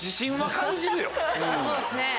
そうですね。